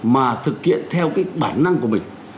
mà thực hiện theo cái bản năng của mình